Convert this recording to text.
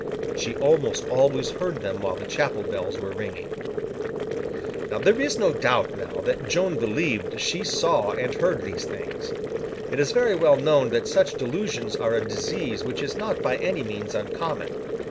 She almost always heard them while the chapel bells were ringing. There is no doubt, now, that Joan believed she saw and heard these things. It is very well known that such delusions are a disease which is not by any means uncommon.